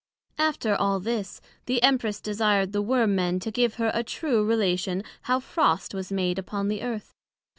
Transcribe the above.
After all this, the Empress desired the Worm men to give her a true Relation how frost was made upon the Earth?